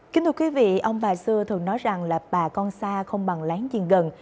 kính thưa quý vị ông bà xưa thường nói rằng là bà con xa không bằng láng gì gần